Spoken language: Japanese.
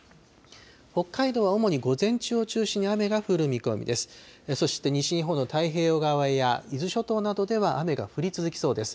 北海道は主に午前中を中心に雨が降る見込みです。